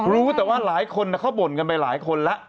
รู้แต่ว่าหลายคนเขาบ่นกันไปหลายคนแล้ว